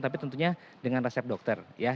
tapi tentunya dengan resep dokter ya